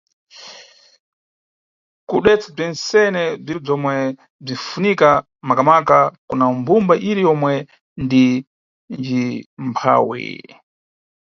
Kudetsa bzentsene bzire bzomwe bzinʼfunika makamaka kuna mbumba ire yomwe ni njimphawi.